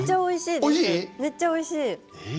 めっちゃおいしい。